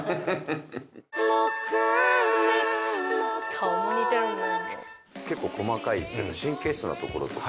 顔も似てるもん。